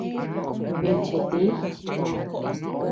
Eche tïi.